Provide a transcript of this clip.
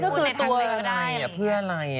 คือตัวอะไรเพื่ออะไร